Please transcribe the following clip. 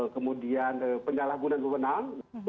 kemudian penyalahgunaan kewenang